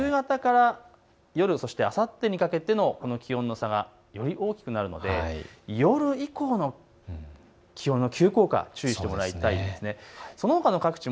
特に夕方から夜、そしてあさってにかけての気温の差がより大きくなるので夜以降の気温の急降下、注意してもらいたいですね。